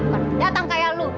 bukan dateng kayak lu